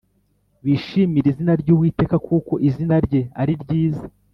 Bishimire izina ry Uwiteka Kuko izina rye ari ryiza